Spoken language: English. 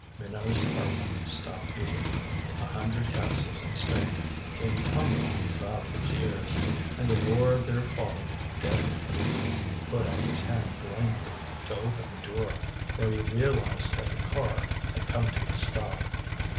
Minot's heart stopped beating. A hundred castles in Spain came tumbling about his ears, and the roar of their falling deafened him. He put out his hand blindly to open the door, for he realized that the car had come to a stop.